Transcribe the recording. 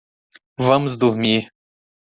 Vamos dormir